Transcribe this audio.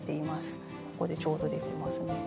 ここでちょうど出てますね。